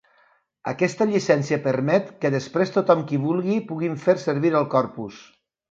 Aquesta llicència permet que després tothom qui vulgui puguin fer servir el corpus.